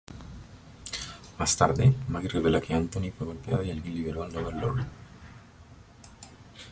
Más tarde, Maggie revela que Anthony fue golpeado y alguien liberó al "Overlord".